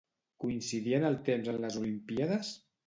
Coincidia en el temps amb les Olimpíades?